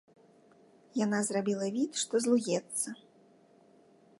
Яна зрабіла від, што злуецца.